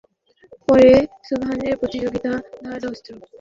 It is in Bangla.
পরে সুবহানের সহযোগীরা ধারালো অস্ত্র দিয়ে তাঁর বাবাকে কুপিয়ে হত্যা করে।